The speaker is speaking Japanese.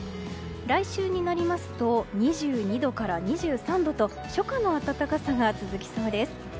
来週になりますと２２度から２３度と初夏の暖かさが続きそうです。